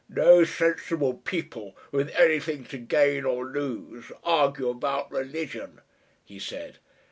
"No sensible people, with anything to gain or lose, argue about religion," he said.